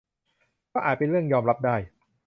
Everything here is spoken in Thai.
ก็อาจเป็นเรื่องยอมรับได้